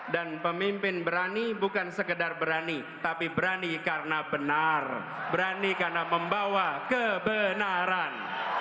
dan pemimpin berani bukan sekedar berani tapi berani karena benar berani karena membawa kebenaran